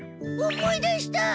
思い出した！